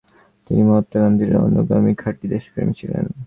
তিনি মহাত্মা গান্ধির অণুগামি খাটি দেশপ্রেমী ছিলেন।